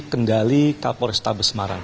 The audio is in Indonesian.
kendali kepala polestables semarang